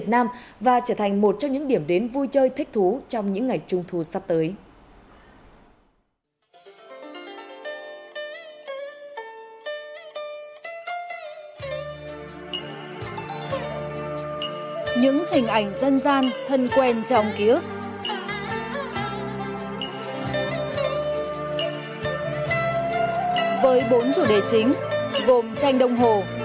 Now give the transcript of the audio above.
tại hà nội trong những ngày tết trung thu